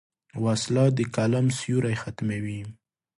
وسله د قلم سیوری ختموي